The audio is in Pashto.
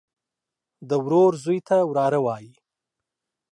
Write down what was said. د ورور زوى ته وراره وايي.